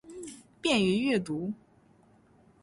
便于阅读